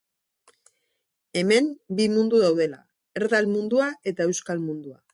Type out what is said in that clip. Hemen bi mundu daudela: erdal mundua eta euskal mundua